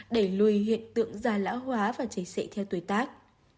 đẩy lùi hiện tượng da lão hóa và cháy xệ theo tuổi tác